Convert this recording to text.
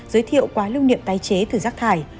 giới thiệu quá lưu niệm tái chế từ rác thải